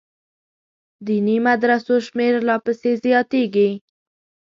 دیني مدرسو شمېر لا پسې زیاتېږي.